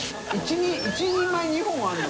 １人前２本あるの？